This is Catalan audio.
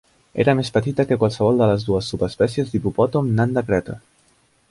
Era més petita que qualsevol de les dues subespècies d'hipopòtam nan de Creta.